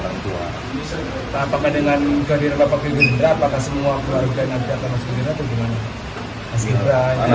apakah dengan kehadiran bapak tegri rindu apakah semua keluarga yang datang masuk ke bintang atau kemana